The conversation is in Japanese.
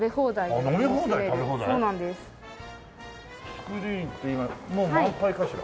スクリーンって今もう満杯かしら？